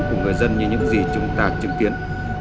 của người dân như những gì chúng ta chứng kiến